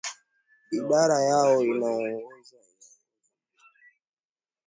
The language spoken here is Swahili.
idara yao inayoongozwa inaongoza mashtaka nchini humo imesema ya kuwa